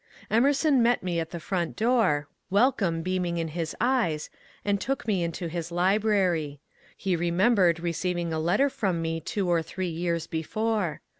Emerson met me at the front door, welcome beaming in his eyes, and took me into his library. He remembered, receiving a letter from me two or three years before.